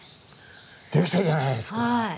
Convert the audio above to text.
できたじゃないですか。